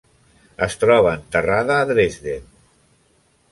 Es troba enterrada en Dresden.